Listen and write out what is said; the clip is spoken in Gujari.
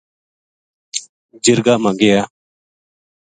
جِرگا ما گیا۔